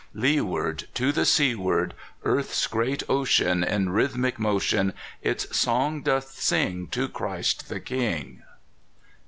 Leeward, To the seaward. Earth's great ocean, In rhythmic motion, Its song doth sing To Christ the King.